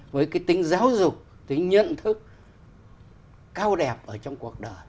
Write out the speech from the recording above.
với cái tính giáo dục tính nhận thức cao đẹp ở trong cuộc đời